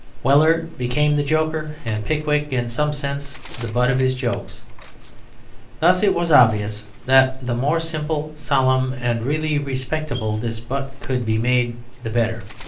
Weller became the joker and Pickwick in some sense the butt of his jokes. Thus it was obvious that the more simple, solemn, and really respectable this butt could be made the better.